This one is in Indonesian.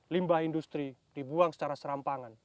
limbah industri dibuang secara serampangan